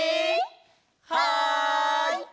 はい！